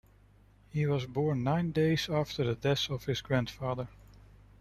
He was born nine days after the death of his grandfather.